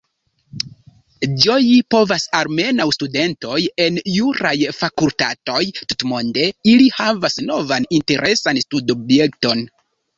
Ĝoji povas almenaŭ studentoj en juraj fakultatoj tutmonde: ili havas novan interesan studobjekton.